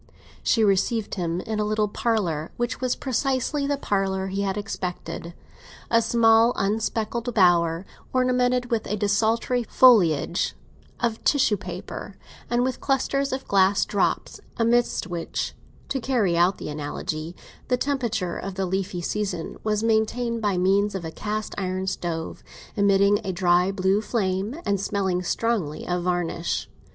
She received him in a little parlour, which was precisely the parlour he had expected: a small unspeckled bower, ornamented with a desultory foliage of tissue paper, and with clusters of glass drops, amid which—to carry out the analogy—the temperature of the leafy season was maintained by means of a cast iron stove, emitting a dry blue flame, and smelling strongly of varnish.